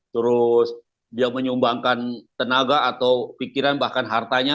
terus dia menyumbangkan tenaga atau pikiran bahkan hartanya